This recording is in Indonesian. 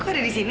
kok ada disini